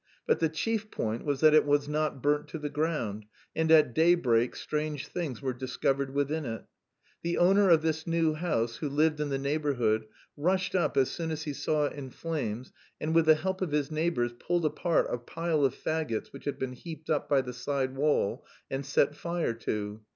But the chief point was that it was not burnt to the ground, and at daybreak strange things were discovered within it. The owner of this new house, who lived in the neighbourhood, rushed up as soon as he saw it in flames and with the help of his neighbours pulled apart a pile of faggots which had been heaped up by the side wall and set fire to.